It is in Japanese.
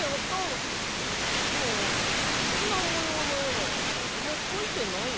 でもこんなもようのえはだれもかいてないよ？